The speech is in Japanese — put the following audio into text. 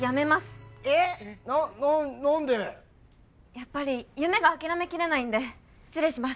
やっぱり夢が諦めきれないんで失礼します